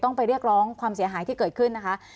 ไปเรียกร้องความเสียหายที่เกิดขึ้นนะคะ